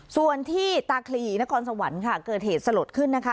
ส่วนที่ตาคลีนครสวรรค์ค่ะเกิดเหตุสลดขึ้นนะคะ